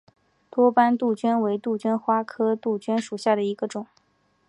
多斑杜鹃为杜鹃花科杜鹃属下的一个种。